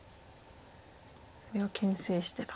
それをけん制してと。